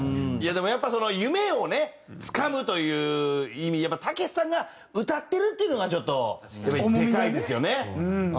でもやっぱその夢をねつかむという意味でたけしさんが歌ってるっていうのがちょっとでかいですよね。